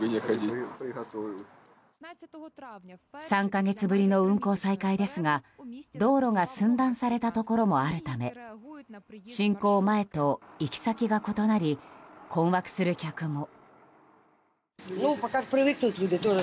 ３か月ぶりの運行再開ですが道路が寸断されたところもあるため侵攻前と行き先が異なり困惑する客も。